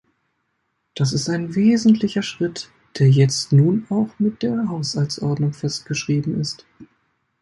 Das ist ein wesentlicher Schritt, der jetzt nun auch mit der Haushaltsordnung festgeschrieben ist.